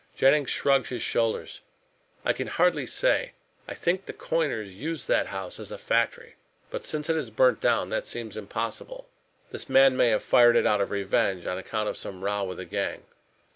Jennings shrugged his shoulders. "I can hardly say. I think the coiners used that house as a factory. But since it is burnt down, that seems impossible. This man may have fired it out of revenge, on account of some row with the gang."